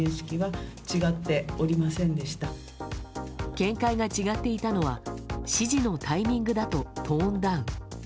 見解が違っていたのは指示のタイミングだとトーンダウン。